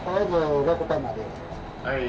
はい。